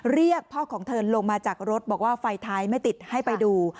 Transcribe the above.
เรียกพ่อของเธอลงมาจากรถบอกว่าไฟท้ายไม่ติดให้ไปดู